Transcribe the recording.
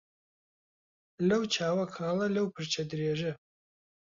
لەو چاوە کاڵە لەو پرچە درێژە